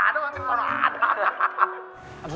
di sini ada